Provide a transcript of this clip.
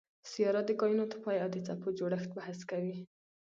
سیارات د کایناتو پای او د څپو جوړښت بحث کوي.